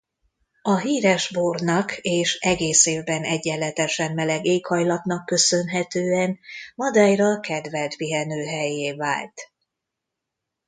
A híres bornak és egész évben egyenletesen meleg éghajlatnak köszönhetően Madeira kedvelt pihenőhellyé vált.